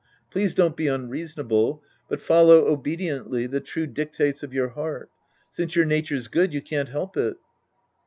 Please don't be unreasonable, but follow obediently the true dictates of your heart. Since your nature's good, you can't help it.